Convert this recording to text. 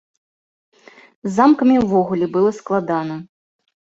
З замкамі ўвогуле было складана.